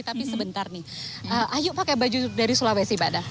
tapi sebentar nih ayo pakai baju dari sulawesi barat